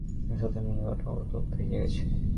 তোমার ছাতা নেই আর কোটটাও তো ভিজে গেছে।